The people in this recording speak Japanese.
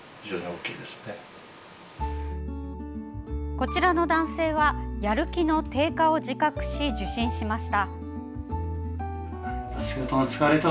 こちらの男性はやる気の低下を自覚し受診しました。